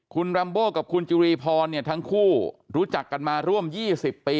คุณรัมโบกับคุณจุรีพรทั้งคู่รู้จักกันมาร่วม๒๐ปี